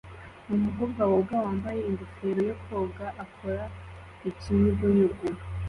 Umukobwa woga wambaye ingofero yo koga akora ikinyugunyugu